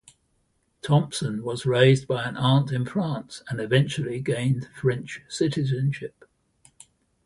Thompson was raised by an aunt in France and eventually gained French citizenship.